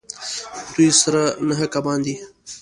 دوی سره نهه کبان دي